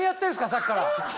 さっきから。